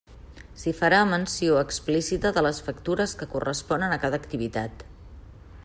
S'hi farà menció explícita de les factures que corresponen a cada activitat.